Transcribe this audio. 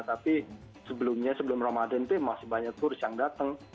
tapi sebelumnya sebelum ramadhan itu masih banyak turis yang datang